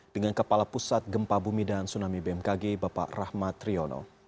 dengan kepala pusat gempa bumi dan tsunami bmkg bapak rahmat riono